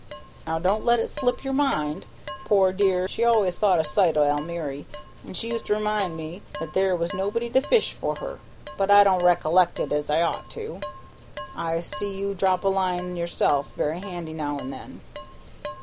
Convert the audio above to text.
"Now don't let it slip your mind. Poor dear, she always thought a sight o' Almiry, and she used to remind me there was nobody to fish for her; but I don't rec'lect it as I ought to. I see you drop a line yourself very handy now an' then."